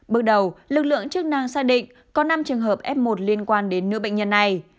bước đầu lực lượng chức năng xác định có năm trường hợp f một liên quan đến nữ bệnh nhân này